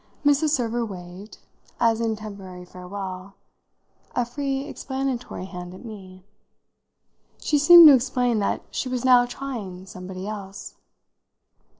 Mrs. Server waved, as in temporary farewell, a free explanatory hand at me; she seemed to explain that she was now trying somebody else.